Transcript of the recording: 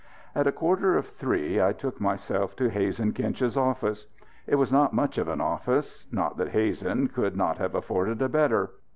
At a quarter of three I took myself to Hazen Kinch's office. It was not much of an office; not that Hazen could not have afforded a better.